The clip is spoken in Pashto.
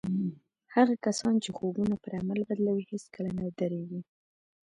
هغه کسان چې خوبونه پر عمل بدلوي هېڅکله نه درېږي